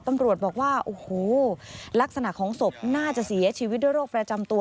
ตำรวจบอกว่าโอ้โหลักษณะของศพน่าจะเสียชีวิตด้วยโรคประจำตัว